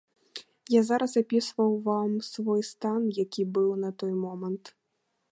Я зараз апісваў вам свой стан, які быў на той момант.